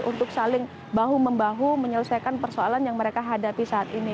untuk saling bahu membahu menyelesaikan persoalan yang mereka hadapi saat ini